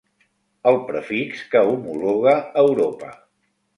El prefix que homologa Europa.